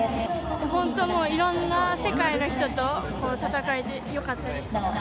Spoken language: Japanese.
本当もう、いろんな世界の人と戦えてよかったです。